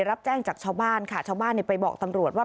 รับแจ้งจากชาวบ้านค่ะชาวบ้านไปบอกตำรวจว่า